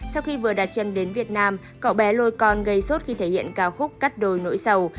sau khi vừa đặt chân đến việt nam cậu bé lôi con gây sốt khi thể hiện ca khúc cắt đồi nỗi sầu